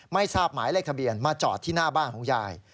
ไม่ทราบหมายเลขทะเบียนมาจอดที่หน้าบ้านของยาย